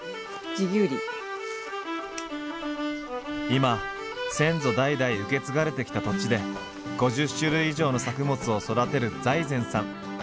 今先祖代々受け継がれてきた土地で５０種類以上の作物を育てる財前さん。